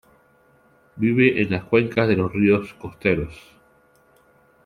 Vive en las cuencas de los ríos costeros.